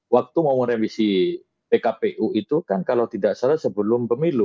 waktu mau merevisi pkpu itu kan kalau tidak salah sebelum pemilu